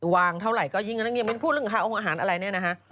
วางเท่าไหร่ก็ยิ่งเงินเงียบพูดเรื่องค่าโรงอาหารอะไรเนี่ยนะฮะ